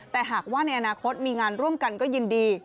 แต่หากว่าในอนาคตมีงานร่วมกันก็ยินดี